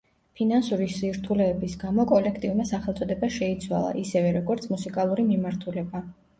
ფინანსური სირთულეების გამო კოლექტივმა სახელწოდება შეიცვალა, ისევე, როგორც მუსიკალური მიმართულება.